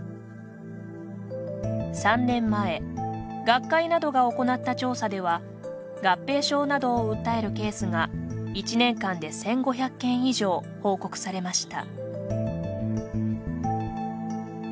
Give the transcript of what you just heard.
３年前学会などが行った調査では合併症などを訴えるケースが１年間で１５００件以上報告されました。